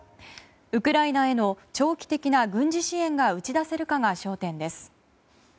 ウクライナへの長期的な軍事支援が打ち出せるかが焦点です。